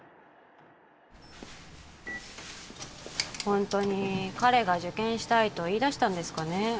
ホントに彼が受験したいと言いだしたんですかね